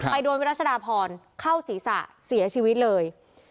โดนวิรัชดาพรเข้าศีรษะเสียชีวิตเลย